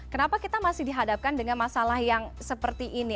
kenapa kita masih dihadapkan dengan masalah yang seperti ini